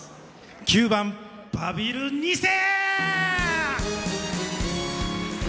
９番「バビル２世」。